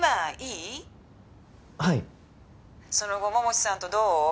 「その後桃地さんとどう？」